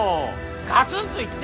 ガツンといって！